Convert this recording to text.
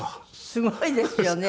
すごいですよね。